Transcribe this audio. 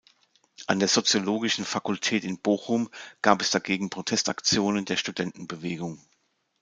An der Soziologischen Fakultät in Bochum gab es dagegen Protestaktionen der Studentenbewegung.